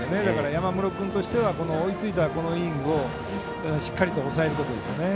大室君としては追いついたこのイニングしっかりと抑えることですね。